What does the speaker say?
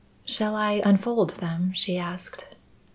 "Shall I unfold them?" she asked.